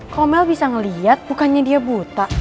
kau mel bisa ngeliat bukannya dia buta